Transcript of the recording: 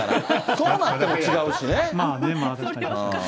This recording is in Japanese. そうなっても違うしね。